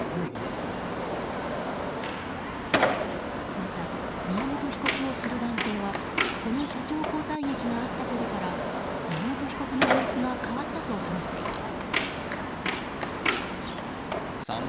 また、宮本被告を知る男性はこの社長交代劇があったころから宮本被告の様子が変わったと話しています。